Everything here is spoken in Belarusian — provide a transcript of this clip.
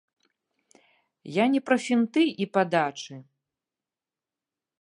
Я не пра фінты і падачы.